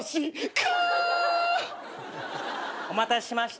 ク！お待たせしました。